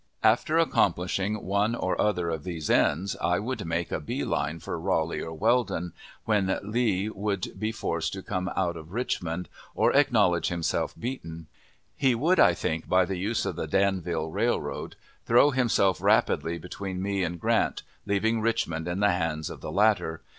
After accomplishing one or other of these ends, I would make a bee line for Raleigh or Weldon, when Lee world be forced to come out of Richmond, or acknowledge himself beaten. He would, I think, by the use of the Danville Railroad, throw himself rapidly between me and Grant, leaving Richmond in the hands of the latter.